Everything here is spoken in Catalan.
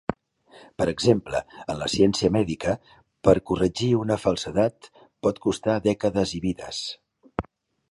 Per exemple, en la ciència mèdica, per corregir una falsedat pot costar dècades i vides.